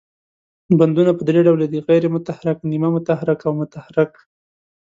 بندونه په درې ډوله دي، غیر متحرک، نیمه متحرک او متحرک.